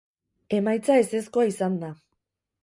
Emaitza ezezkoa izan da.